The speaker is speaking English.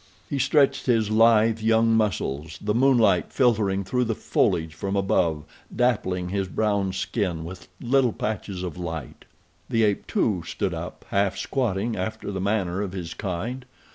He stretched his lithe young muscles, the moonlight filtering through the foliage from above dappling his brown skin with little patches of light. The ape, too, stood up, half squatting after the manner of his kind.